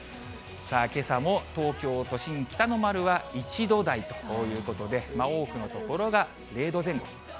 さあ、けさも東京都心北の丸は１度台ということで、多くの所が０度前後。